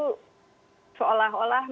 mereka melakukan investasi di mana mana